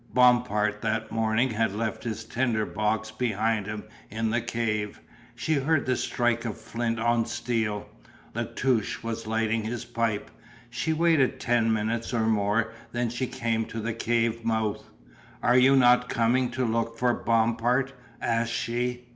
Bompard that morning had left his tinder box behind him in the cave, she heard the strike of flint on steel. La Touche was lighting his pipe. She waited ten minutes or more, then she came to the cave mouth. "Are you not coming to look for Bompard?" asked she.